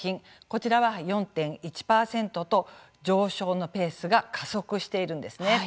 こちらは４．１％と上昇のペースが加速しているんですね。